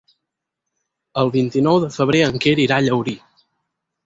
El vint-i-nou de febrer en Quer irà a Llaurí.